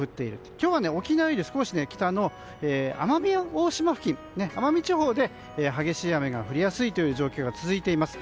今日は沖縄より少し北の奄美地方で激しい雨が降りやすい状況が続いています。